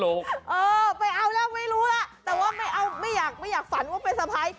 เออไปเอาแล้วไม่รู้แล้วแต่ว่าไม่อยากฝันว่าเป็นสะพาย